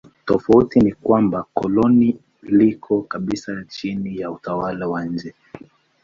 Tofauti ni kwamba koloni liko kabisa chini ya utawala wa nje.